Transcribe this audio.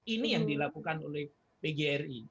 ini yang dilakukan oleh pgri